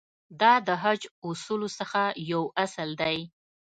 دا د حج اصولو څخه یو اصل دی.